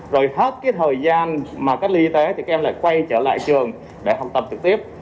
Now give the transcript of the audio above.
rồi hết cái thời gian mà cách ly y tế thì các em lại quay trở lại trường để học tập trực tiếp